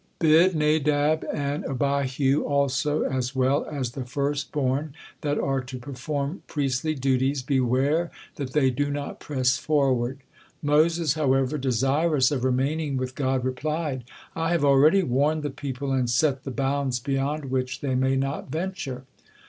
Bid Nadab and Abihu also, as well as the first born that are to perform priestly duties, beware that they do not press forward." Moses, however, desirous of remaining with God, replied: "I have already warned the people and set the bounds beyond which they may not venture."